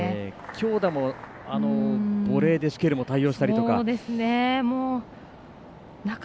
強打もボレーでシュケルも対応したりとか。